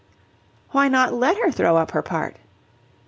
"Why not let her throw up her part?"